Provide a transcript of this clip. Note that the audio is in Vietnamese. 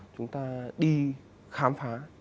chúng ta đi khám phá